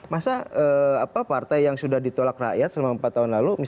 masa partai yang sudah ditolak rakyat selama empat tahun lalu